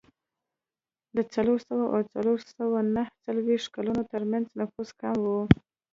د څلور سوه او څلور سوه نهه څلوېښت کلونو ترمنځ نفوس کم و.